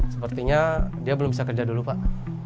sepertinya dia belum bisa kerja dulu pak